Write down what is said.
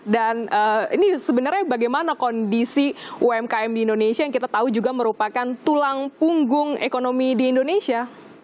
dan ini sebenarnya bagaimana kondisi umkm di indonesia yang kita tahu juga merupakan tulang punggung ekonomi di indonesia